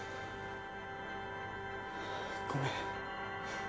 ごめん。